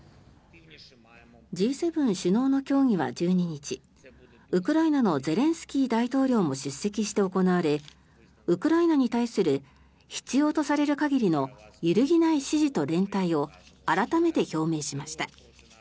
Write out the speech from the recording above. Ｇ７首脳の協議は１２日ウクライナのゼレンスキー大統領も出席して行われウクライナに対する必要とされる限りの揺るぎない支持と連帯を改めて表明しました。